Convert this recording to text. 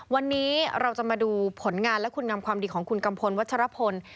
วันนี้เราจะมาดูผลงานและคุณงามความดีของคุณกัมพลวัชรพล